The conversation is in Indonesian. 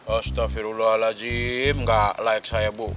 astagfirullahaladzim enggak layak saya bu